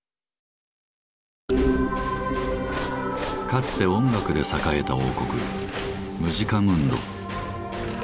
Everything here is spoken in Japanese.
かつて音楽で栄えた王国「ムジカムンド」。